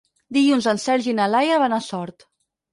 Dilluns en Sergi i na Laia van a Sort.